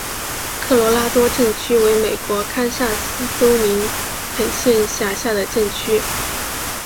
科罗拉多镇区为美国堪萨斯州林肯县辖下的镇区。